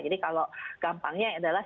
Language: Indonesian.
jadi kalau gampangnya adalah